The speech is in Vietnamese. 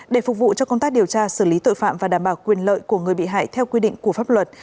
để phục vụ cho công tác điều tra xử lý tội phạm và đảm bảo quyền lợi của người bị hại theo quy định của pháp luật